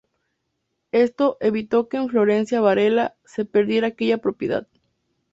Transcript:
Esto evitó que en Florencio Varela, se perdiera aquella propiedad.